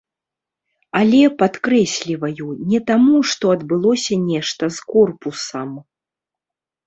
Але, падкрэсліваю, не таму, што адбылося нешта з корпусам.